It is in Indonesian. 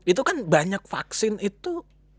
itu kan banyak vaksin itu